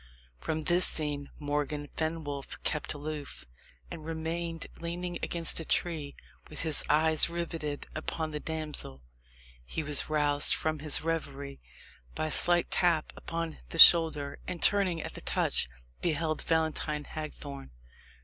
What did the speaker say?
From this scene Morgan Fenwolf kept aloof, and remained leaning against a tree, with his eyes riveted upon the damsel. He was roused from his reverie by a slight tap upon the shoulder; and turning at the touch, beheld Valentine Hagthorne.